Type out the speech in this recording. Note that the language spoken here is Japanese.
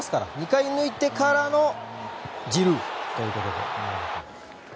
２回抜いてからのジルーということで。